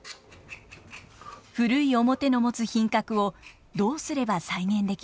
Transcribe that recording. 古い面の持つ品格をどうすれば再現できるのか。